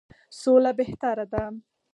سوله بهتره ده.